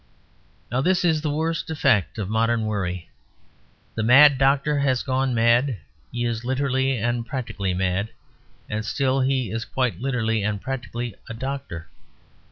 Now this is the worst effect of modern worry. The mad doctor has gone mad. He is literally and practically mad; and still he is quite literally and practically a doctor.